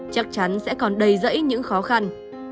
chắc chắn sẽ còn đầy rẫy những khó khăn